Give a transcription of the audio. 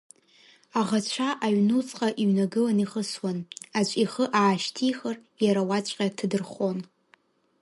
Аӷацәа аҩнуҵҟа иҩнагылан ихысуан, аӡә ихы аашьҭихыр, иара уаҵәҟьа дҭадырхон.